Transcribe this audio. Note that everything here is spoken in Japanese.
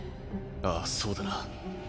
ああそうだな。